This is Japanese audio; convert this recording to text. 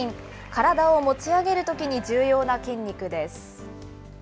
体を持ち上げるときに重要な筋肉です。